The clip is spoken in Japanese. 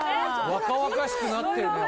若々しくなってんのよ！